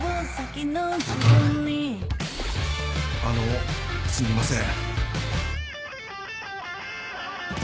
・あのすみません。